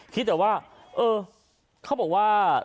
คิดแต่ว่าเออเขาบอกว่า